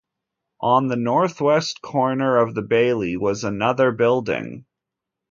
On the northwest corner of the bailey was another building.